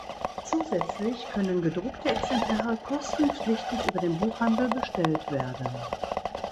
Zusätzlich können gedruckte Exemplare kostenpflichtig über den Buchhandel bestellt werden.